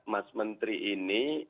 mas menteri ini